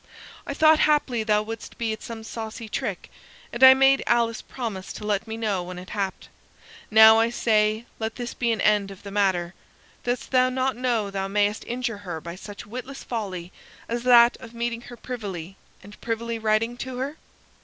I thought haply thou wouldst be at some such saucy trick, and I made Alice promise to let me know when it happed. Now, I say, let this be an end of the matter. Dost thou not know thou mayst injure her by such witless folly as that of meeting her privily, and privily writing to her?"